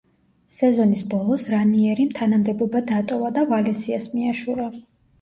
სეზონის ბოლოს რანიერიმ თანამდებობა დატოვა და „ვალენსიას“ მიაშურა.